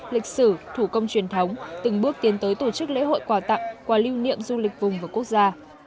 lịch sử thủ công truyền thống từng bước tiến tới tổ chức lễ hội quà tặng quà lưu niệm du lịch vùng và quốc gia